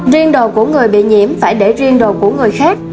riêng đồ của người bị nhiễm phải để riêng đồ của người khác